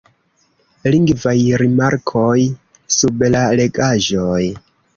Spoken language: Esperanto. Lingvaj rimarkoj sub la legaĵoj.